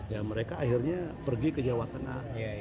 ya mereka akhirnya pergi ke jawa tengah